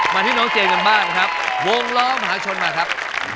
มาที่น้องเจมสกันบ้างครับวงล้อมหาชนมาครับ